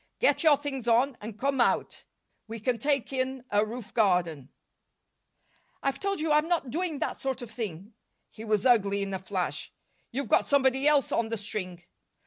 "Get your things on and come out. We can take in a roof garden." "I've told you I'm not doing that sort of thing." He was ugly in a flash. "You've got somebody else on the string."